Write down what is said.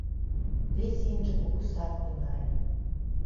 Вес ийынже кугу сар тӱҥале.